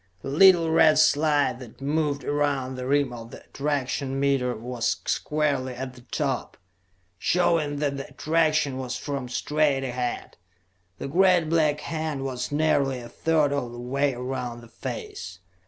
The little red slide that moved around the rim of the attraction meter was squarely at the top, showing that the attraction was from straight ahead; the great black hand was nearly a third of the way around the face.